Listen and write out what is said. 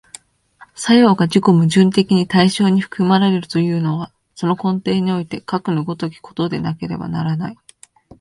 作用が自己矛盾的に対象に含まれるというのは、その根底においてかくの如きことでなければならない。